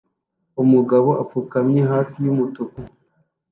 Umugabo apfukamye hafi yumutuku